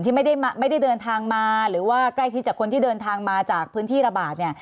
ที่ไม่ได้เดินทางมาหรือว่าใกล้ชิดจากคนที่เดินทางมาจากพื้นที่ระบาดเนี่ย